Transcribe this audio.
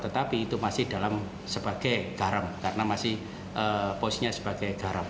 tetapi itu masih dalam sebagai garam karena masih posisinya sebagai garam